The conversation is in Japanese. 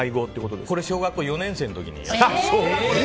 独自のこれは小学校４年生の時に。